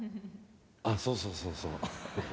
あっそうそうそうそう。